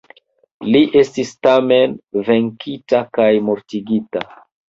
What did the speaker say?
Li estis tamen venkita kaj mortigita.